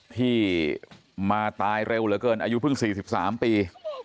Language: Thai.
ที่มาตายเร็วเหลือเกินอายุเพิ่ง๔๓ปี